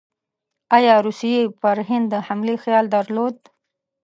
ایا روسیې پر هند د حملې خیال درلود؟